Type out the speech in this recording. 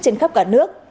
trên khắp cả nước